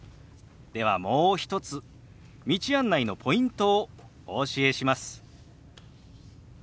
ではもう一つ道案内のポイントをお教えします。